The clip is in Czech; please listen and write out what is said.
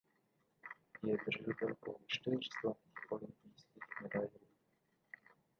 Je držitelkou čtyř zlatých olympijských medailí.